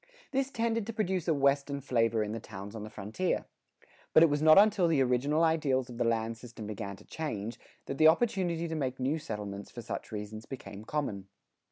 This tended to produce a Western flavor in the towns on the frontier. But it was not until the original ideals of the land system began to change, that the opportunity to make new settlements for such reasons became common.